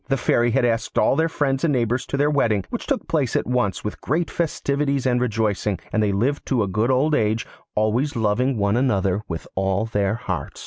The Fairy had asked all their friends and neighbours to their wedding, which took place at once with great festivities and rejoicings, and they lived to a good old age, always loving one another with all their hearts.